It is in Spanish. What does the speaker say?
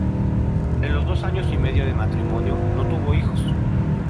En los dos años y medio de matrimonio no tuvo hijos.